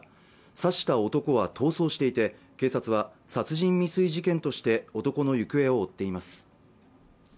刺した男は逃走していて警察は殺人未遂事件として男の行方を追っています